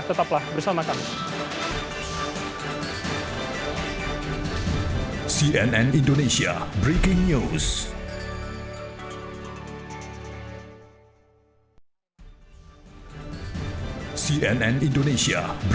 tetaplah bersama kami